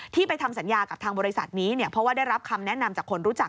ที่ไปทำสัญญากับทางบริษัทนี้เนี่ยเพราะว่าได้รับคำแนะนำจากคนรู้จัก